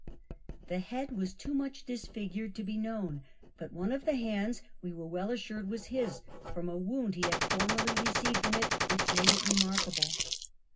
The head was too miicli disfigured to be known, but one of the hands we were well assui'ed was his, from a wound he had formerly received in it which made it remarkable.